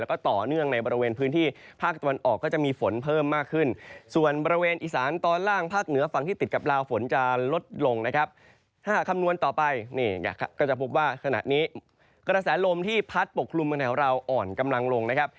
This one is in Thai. กลุ่มบนแถวเราอ่อนกำลังลงนะครับ